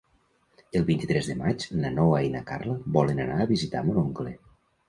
El vint-i-tres de maig na Noa i na Carla volen anar a visitar mon oncle.